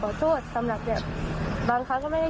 เชิงชู้สาวกับผอโรงเรียนคนนี้